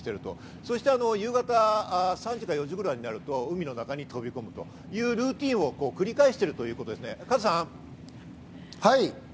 そして夕方、３時か４時ぐらいになると、海の中に飛び込むというルーティンを繰り返しているということですね、加藤さん。